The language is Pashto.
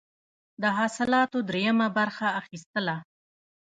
د حاصلاتو دریمه برخه اخیستله.